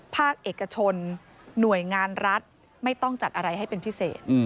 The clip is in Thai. ภาคเอกชนหน่วยงานรัฐไม่ต้องจัดอะไรให้เป็นพิเศษ